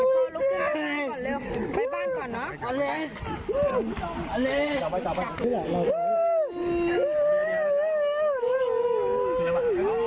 อื้อนี่ลูก